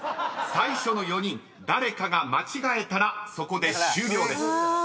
最初の４人誰かが間違えたらそこで終了です］